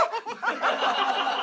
ハハハハ！